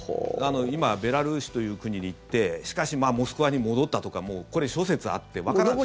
今、ベラルーシという国に行ってしかし、モスクワに戻ったとかもうこれ諸説あってわからないんです。